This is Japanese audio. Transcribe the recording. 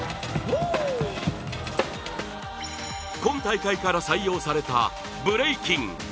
今大会から採用されたブレイキン。